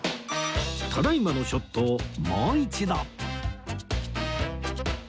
ただ今のショットをもう一度